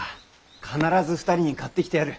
必ず２人に買ってきてやる。